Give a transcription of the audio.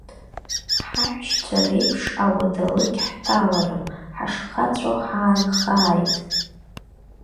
Ҳаҳәшьцәа реиԥш ауадалықь ҳҭаларым, ҳашхацәоу ҳаанхааит!